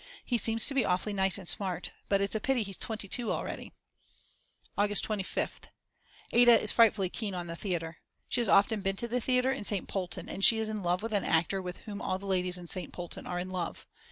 He seems to be awfully nice and smart, but it's a pity he's 22 already. August 25th. Ada is frightfully keen on the theatre. She has often been to the theatre in St. Polten and she is in love with an actor with whom all the ladies in St. Polten are in love.